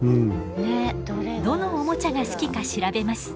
どのおもちゃが好きか調べます。